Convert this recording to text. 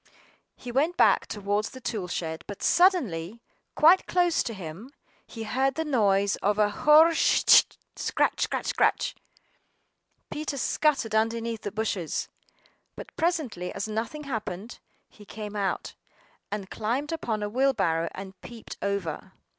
HE went back towards the tool shed, but suddenly, quite close to him, he heard the noise of a hoe scr r ritch, scratch, scratch, scritch. Peter scuttered underneath the bushes. But presently, as nothing happened, he came out, and climbed upon a wheelbarrow, and peeped over.